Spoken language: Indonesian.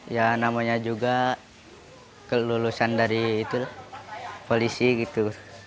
ya namanya juga kelulusan dari itu polisi gitu